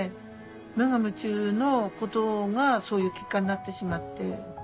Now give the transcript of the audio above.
無我夢中のことがそういう結果になってしまって。